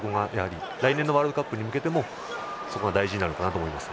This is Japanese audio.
来年のワールドカップに向けてもそこが大事になるのかと思います。